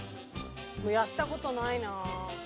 やった事ないな。